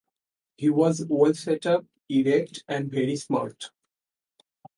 He was well set-up, erect, and very smart.